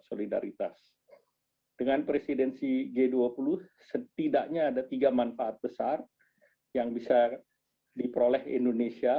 solidaritas dengan presidensi g dua puluh setidaknya ada tiga manfaat besar yang bisa diperoleh indonesia